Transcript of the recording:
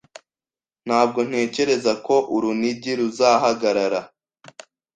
Ntabwo ntekereza ko urunigi ruzahagarara.